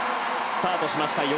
スタートしました。